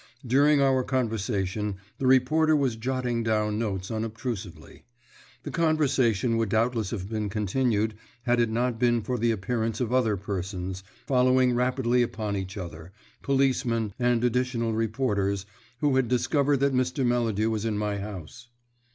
During our conversation the reporter was jotting down notes unobtrusively. The conversation would doubtless have been continued had it not been for the appearance of other persons, following rapidly upon each other, policemen, and additional reporters, who had discovered that Mr. Melladew was in my house.